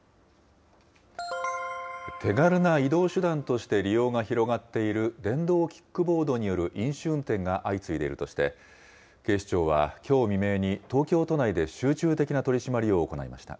手軽な移動手段として利用が広がっている電動キックボードによる飲酒運転が相次いでいるとして、警視庁はきょう未明に、東京都内で集中的な取締りを行いました。